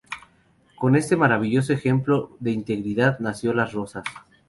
Con este maravilloso ejemplo de integridad nació Las Rosas.